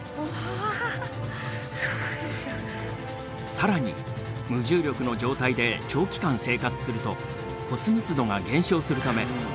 更に無重力の状態で長期間生活すると骨密度が減少するため運動は不可欠。